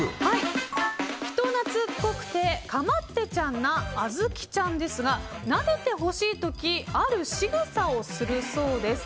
人懐こくてかまってちゃんなあずきちゃんですがなでてほしい時あるしぐさをするそうです。